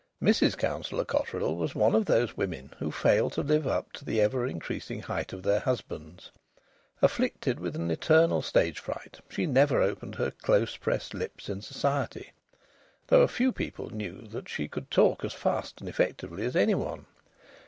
Mrs Councillor Cotterill was one of these women who fail to live up to the ever increasing height of their husbands. Afflicted with an eternal stage fright, she never opened her close pressed lips in society, though a few people knew that she could talk as fast and as effectively as any one.